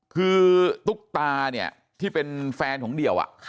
คือตุ๊กตาเนี่ยที่เป็นแฟนของเดี่ยว